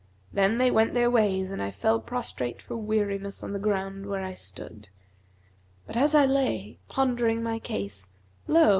Then they went their ways and I fell prostrate for weariness on the ground where I stood; but as I lay, pondering my case lo!